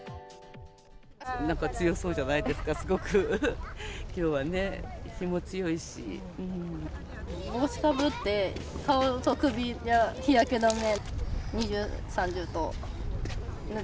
なんか強そうじゃないですか、すごく、きょうはね、帽子かぶって、顔と首は日焼け止め。